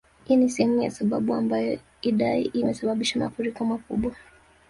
Hii ni sehemu ya sababu ambayo Idai imesababisha mafuriko makubwa